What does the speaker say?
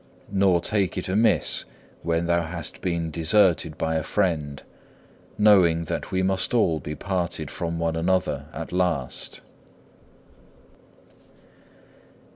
Nor take it amiss when thou hast been deserted by a friend, knowing that we must all be parted from one another at last.